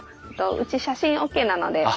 うち写真ＯＫなのでどうぞ。